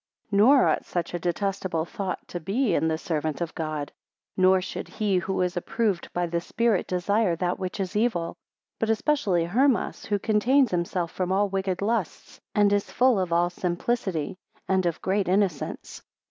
20 Nor ought such a detestable thought to be in the servant of God: nor should he who is approved by the Spirit desire that which is evil; but especially Hermas, who contains himself from all wicked lusts, and is full of all simplicity, and of great innocence.